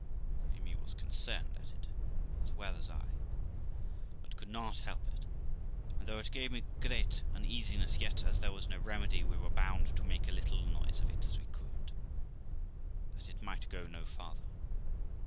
Amy was concerned at it as well as I, but could not help it ; and, though it gave us great uneasiness, yet, as there was no remedy, we were bound to make as little noise of it as we could, that it might go no farther.